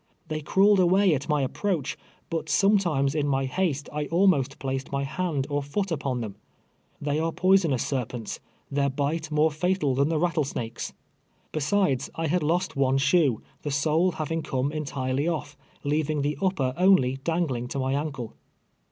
They crawled away at my ap proach, but sometimes in my haste, I almost placed my hand or f<:)ot upon them. They are poisonous serpents— their bite more tatal than the rattlesnake's. Besides, I had lost one shoe, the sole having come entirely ofl', leaving the upper only dangling to my ankle.